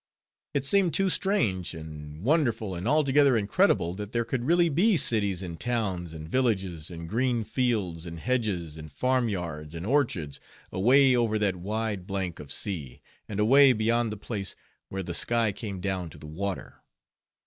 It seemed too strange, and wonderful, and altogether incredible, that there could really be cities and towns and villages and green fields and hedges and farm yards and orchards, away over that wide blank of sea, and away beyond the place where the sky came down to the water.